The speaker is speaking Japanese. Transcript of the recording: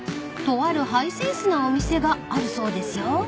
［とあるハイセンスなお店があるそうですよ］